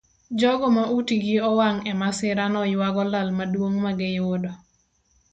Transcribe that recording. Jogo ma utgi owang' emasirano yuago lal maduong magiyudo.